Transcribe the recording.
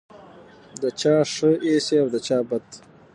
د چا ښه ایسې او د چا بد.